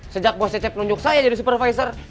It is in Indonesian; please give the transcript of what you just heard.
sejak bos cecep nunjuk saya jadi supervisor